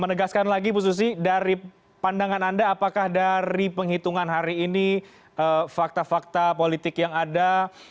menegaskan lagi bu susi dari pandangan anda apakah dari penghitungan hari ini fakta fakta politik yang ada